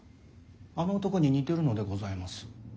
あの男に似てるのでございます。